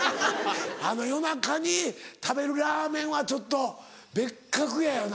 あの夜中に食べるラーメンはちょっと別格やよな。